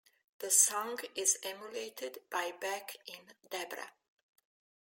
The song is emulated by Beck in "Debra".